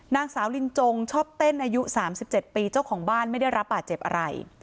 นางสาวลินจงชอบเต้นอายุ๓๗ปีเจ้าของบ้านไม่ได้รับบาดเจ็บอะไร